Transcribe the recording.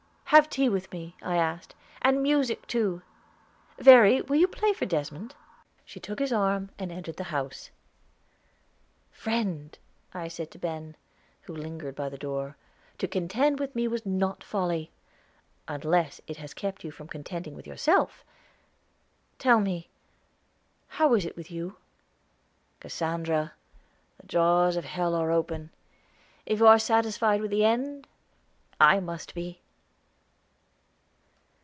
"Have tea with me," I asked, "and music, too. Verry, will you play for Desmond?" She took his arm, and entered the house. "Friend," I said to Ben, who lingered by the door, "to contend with me was not folly, unless it has kept you from contending with yourself. Tell me how is it with you?" "Cassandra, the jaws of hell are open. If you are satisfied with the end, I must be."